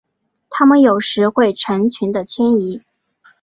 它们有时会成群的迁徙。